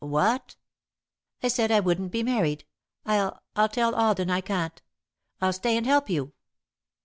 "What?" "I said I wouldn't be married. I'll I'll tell Alden I can't. I'll stay and help you."